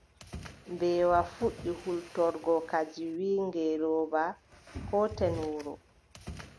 Mbeewa fuɗɗi hultorgo kadi, wiʼi ngeelooba: kooten wuro.